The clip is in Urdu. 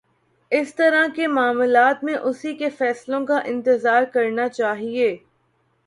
اِس طرح کے معاملات میں اُسی کے فیصلوں کا انتظار کرنا چاہیے